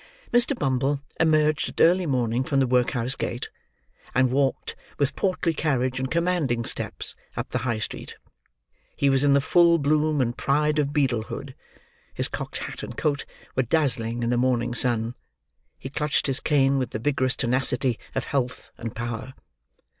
Mr. Bumble emerged at early morning from the workhouse gate, and walked with portly carriage and commanding steps, up the High Street. He was in the full bloom and pride of beadlehood; his cocked hat and coat were dazzling in the morning sun; he clutched his cane with the vigorous tenacity of health and power.